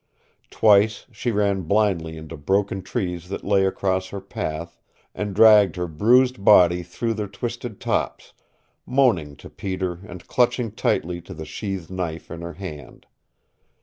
Twice she ran blindly into broken trees that lay across her path, and dragged her bruised body through their twisted tops, moaning to Peter and clutching tightly to the sheathed knife in her hand.